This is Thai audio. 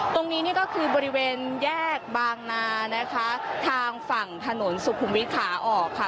ตรงนี้นี่ก็คือบริเวณแยกบางนานะคะทางฝั่งถนนสุขุมวิทย์ขาออกค่ะ